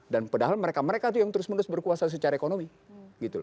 dan padahal mereka mereka itu yang terus menerus berkuasa secara ekonomi